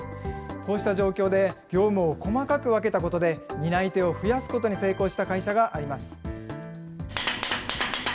こうした状況で業務を細かく分けたことで、担い手を増やすことに成功した会社があります。